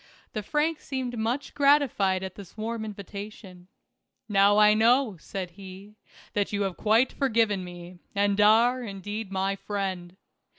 The Frank seemed much gratified at this warm invitation. "Now I know," said he, "that you have quite forgiven me, and are, indeed, my friend.